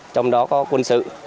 trong đó có quân sự